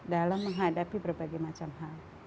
dalam menghadapi berbagai macam hal